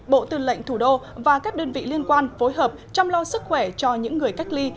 bộ tư lệnh thủ đô và các đơn vị liên quan phối hợp chăm lo sức khỏe cho những người cách ly